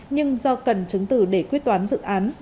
nhưng do cần chứng tử để quyết toán dự án